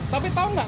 tapi tau nggak